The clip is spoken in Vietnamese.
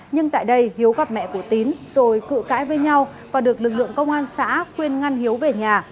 nhưng tại đây hiếu gặp mẹ của tín rồi cự cãi với nhau và được lực lượng công an xã khuyên ngăn hiếu về nhà